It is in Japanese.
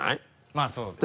まぁそうですね。